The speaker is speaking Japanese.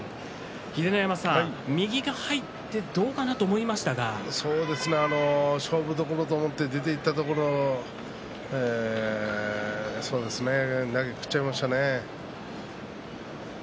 秀ノ山さん右が入っているのかなと思いましたが勝負どころと思って出ていったところ投げを食っちゃいましたね。